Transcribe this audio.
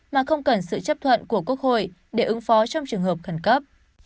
mà không cần sự chấp thuận của quốc hội để ứng phó trong trường hợp khẩn cấp